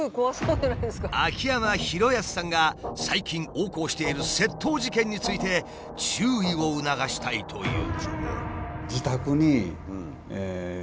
秋山博康さんが最近横行している窃盗事件について注意を促したいという。